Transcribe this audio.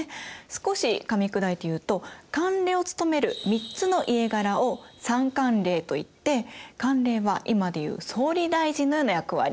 少しかみ砕いて言うと管領を務める３つの家柄を三管領といって管領は今で言う総理大臣のような役割。